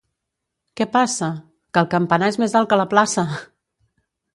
Què passa? —Que el campanar és més alt que la plaça!